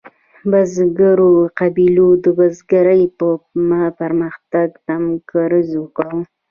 بزګرو قبیلو د بزګرۍ په پرمختګ تمرکز وکړ.